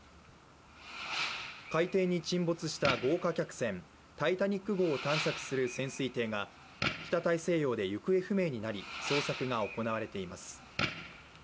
海底に沈没した豪華客船「タイタニック」号を探索する潜水艇が北大西洋で行方不明になり捜索が行われています。